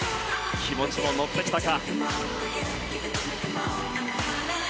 気持ちも乗ってきたか。